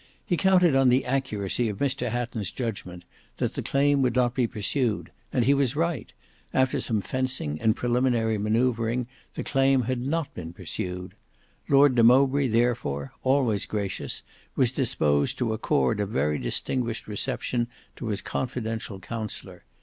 He counted on the accuracy of Mr Hatton's judgment, that the claim would not be pursued; and he was right; after some fencing and preliminary manoeuvring, the claim had not been pursued. Lord de Mowbray therefore, always gracious, was disposed to accord a very distinguished reception to his confidential counsellor.